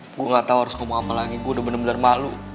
gua gak tau harus ngomong sama lagi gua udah bener bener malu